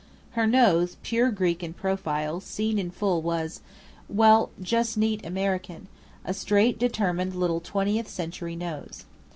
Her nose, pure Greek in profile, seen in full was well, just neat American: a straight, determined little twentieth century nose.